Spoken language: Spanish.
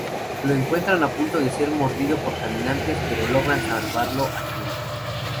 Lo encuentran a punto de ser mordido por caminantes, pero logran salvarlo a tiempo.